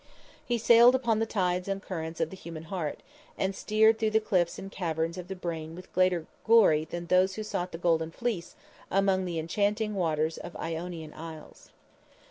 He sailed upon the tides and currents of the human heart, and steered through the cliffs and caverns of the brain with greater glory than those who sought the golden "fleece" among the enchanting waters of Ionian isles.